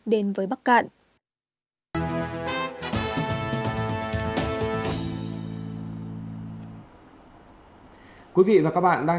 đến với bắc cạn